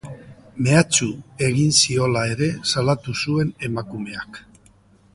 Mehatxu egin ziola ere salatu zuen emakumeak.